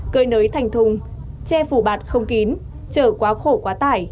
cơi nới thành thùng che phủ bạt không kín chở quá khổ quá tải